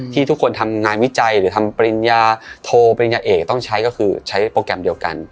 ที่ทุกคนทำงานวิจัยหรือทำปริญญาโทปริญญาเอกต้องใช้ก็คือใช้โปรแกรมเดียวกัน